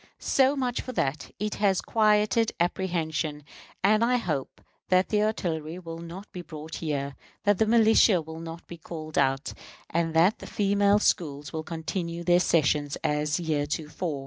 So much for that. It has quieted apprehension; and I hope that the artillery will not be brought here; that the militia will not be called out; and that the female schools will continue their sessions as heretofore.